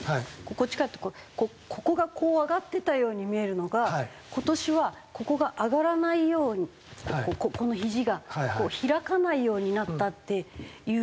こっちからここがこう上がってたように見えるのが今年はここが上がらないようにこのひじが開かないようになったっていうのは。